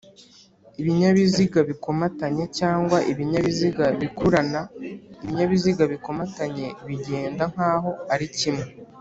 Ibinyabiziga bikomatanye cg ibinyabiziga bikururanaIbinyabiziga bikomatanye bigenda nkaho ari kimwe